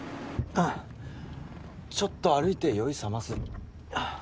ああちょっと歩いて酔いさます。